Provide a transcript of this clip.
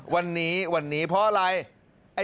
วันนี้วันนี้เพราะอะไร